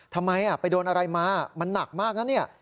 ทำไมไปโดนอะไรมามันหนักมากนะเนี่ย